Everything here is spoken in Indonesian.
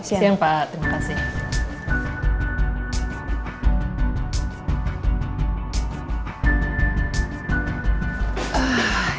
siang pak terima kasih